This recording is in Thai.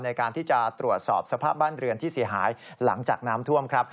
ในการที่จะตรวจสอบสภาพบ้านเรือนที่เสียหายหลังจากน้ำท่วมครับ